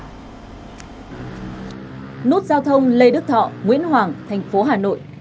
nút giao thông lê đức thọ nguyễn hoàng thành phố hà nội